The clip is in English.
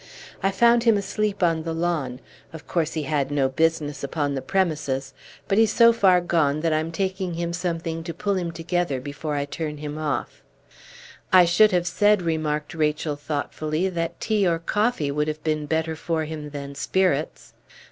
I found him asleep on the lawn; of course he had no business upon the premises; but he's so far gone that I'm taking him something to pull him together before I turn him off." "I should have said," remarked Rachel, thoughtfully, "that tea or coffee would have been better for him than spirits."